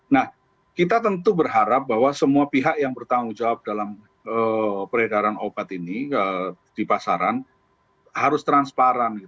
nah kita tentu berharap bahwa semua pihak yang bertanggung jawab dalam peredaran obat ini di pasaran harus transparan